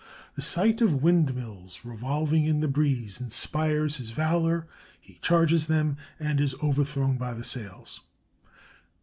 The sight of windmills revolving in the breeze inspires his valor; he charges them, and is overthrown by the sails.